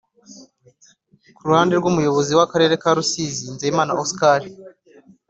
Ku ruhande rw’umuyobozi w’Akarere ka Rusizi Nzeyimana Oscar